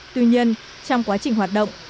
tuy nhiên trong quá trình hoạt động